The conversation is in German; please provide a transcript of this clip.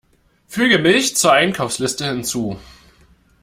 Füge Milch zur Einkaufsliste hinzu!